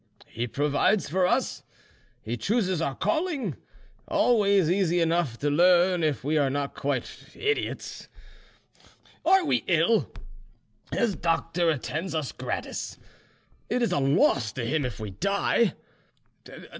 He provides for us, he chooses our calling, always easy enough to learn if we are not quite idiots. Are we ill? His doctor attends us gratis; it is a loss to him if we die.